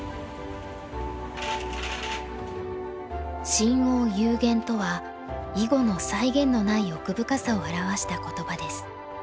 「深奥幽玄」とは囲碁の際限のない奥深さを表した言葉です。